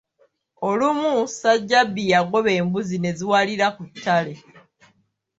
Olumu Ssajjabbi yagoba embuzi ne ziwalira ku ttale.